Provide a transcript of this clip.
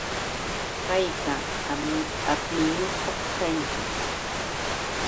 ¿Hayka apniyuqta kanki?